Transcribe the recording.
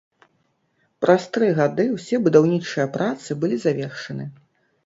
Праз тры гады ўсе будаўнічыя працы былі завершаны.